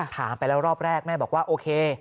ถามไปแล้วรอบแรกแม่บอกว่าโอเค